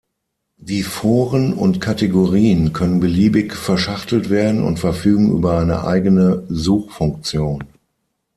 Die Foren und Kategorien können beliebig verschachtelt werden und verfügen über eine eigene Suchfunktion.